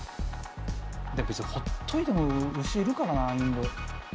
別にほっといても牛いるからなあインド。